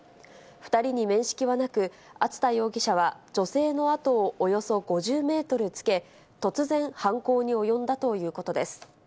２人に面識はなく、熱田容疑者は、女性の後をおよそ５０メートルつけ、突然、犯行に及んだということです。